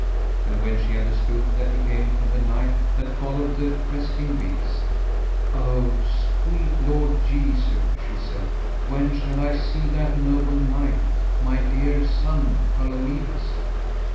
And when she understood that he came from the knight that followed the questing beast: O sweet Lord Jesu, she said, when shall I see that noble knight, my dear son Palomides?